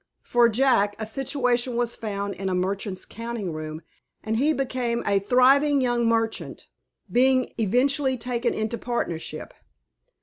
For Jack, a situation was found in a merchant's counting room, and he became a thriving young merchant, being eventually taken into partnership.